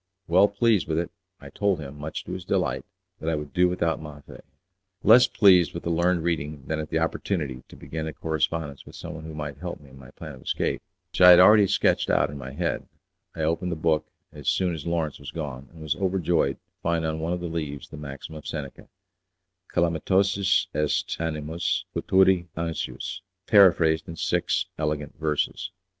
Well pleased with it I told him, much to his delight, that I would do without Maffei. Less pleased with the learned reading than at the opportunity to begin a correspondence with someone who might help me in my plan of escape (which I had already sketched out in my head), I opened the book as soon as Lawrence was gone, and was overjoyed to find on one of the leaves the maxim of Seneca, 'Calamitosus est animus futuri anxius', paraphrased in six elegant verses.